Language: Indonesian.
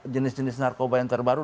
jenis jenis narkoba yang terbaru